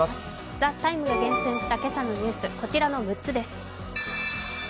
「ＴＨＥＴＩＭＥ，」が厳選した今朝のニュース、こちらの６つです。